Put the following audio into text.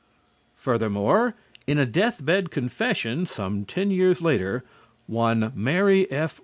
Furthermore, in a death bed confession, some ten years later, one Mary F.